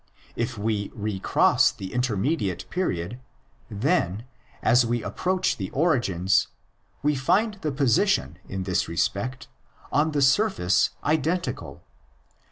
If we recross the intermediate period, then, as we approach the origins, we find the position in this respect on the surface identical.